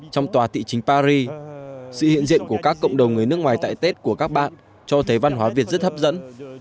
trong tòa thị chính paris sự hiện diện của các cộng đồng người nước ngoài tại tết của các bạn cho thấy văn hóa việt rất hấp dẫn